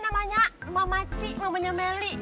namanya sgaf macan mama cantik